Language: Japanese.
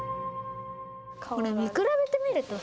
これ見比べてみるとさ